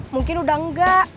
mungkin udah enggak